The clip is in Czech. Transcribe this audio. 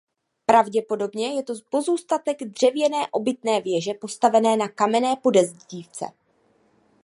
Pravděpodobně je to pozůstatek dřevěné obytné věže postavené na kamenné podezdívce.